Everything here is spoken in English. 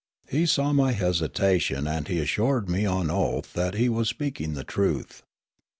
He saw my hesitation and he assured me on oath that he was speaking the truth.